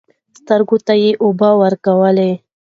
سترګو ته يې اوبه ورکولې .